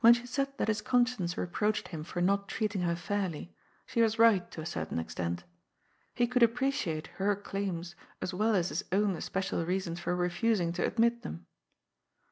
When she said that his conscience reproached him for not treating her fairly, she was right to a certain extent. He could appreciate her claims as well as his own especial reasons for refusing to admit them.